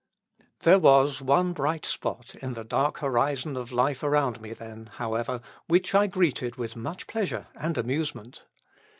There was one bright spot in the dark horizon of life around me then, however, which I greeted with much pleasure and amusement.